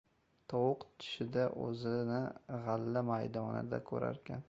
• Tovuq tushida o‘zini g‘alla maydonida ko‘rarkan.